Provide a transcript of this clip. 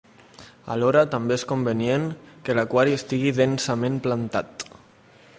Alhora també és convenient que l'aquari estigui densament plantat.